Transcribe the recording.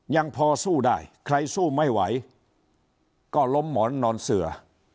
ยังพอสู้ได้ใครสู้ไม่ไหวก็ล้มหมอนนอนเสือ